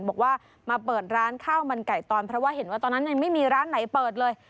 บอกว่ามาเปิดร้านข้าวมันไก่ตอนเพราะว่าเห็นว่าตอนนั้นยังไม่มีร้านไหนเปิดเลย